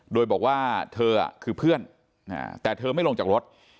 โดยบอกว่าเธอคือเพื่อนแต่เธอไม่ลงจากรถ